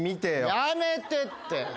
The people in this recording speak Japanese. やめてって。